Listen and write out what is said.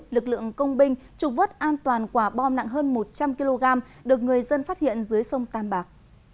lực lượng công binh trục vất an toàn quả bom nặng hơn một trăm linh kg được người dân phát hiện dưới sông tam bạc